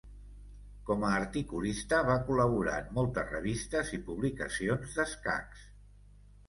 Com a articulista, va col·laborar en moltes revistes i publicacions d'escacs.